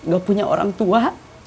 gak punya orang tua